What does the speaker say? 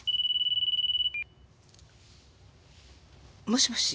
もしもし。